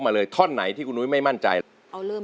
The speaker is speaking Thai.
แผนที่๓ที่คุณนุ้ยเลือกออกมานะครับ